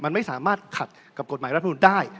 มันไม่สามารถขัดกับกฎหมายรัฐมนุนได้